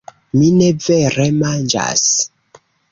Mi ne vere manĝas